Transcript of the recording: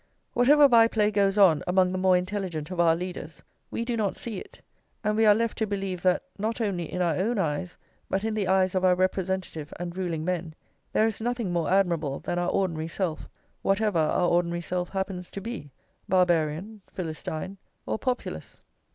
Whatever by play goes on among the more intelligent of our leaders, we do not see it; and we are left to believe that, not only in our own eyes, but in the eyes of our representative and ruling men, there is nothing more admirable than our ordinary self, whatever our ordinary self happens to be, Barbarian, Philistine, or Populace.